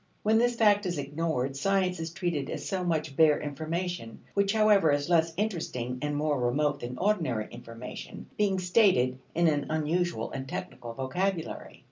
When this fact is ignored, science is treated as so much bare information, which however is less interesting and more remote than ordinary information, being stated in an unusual and technical vocabulary.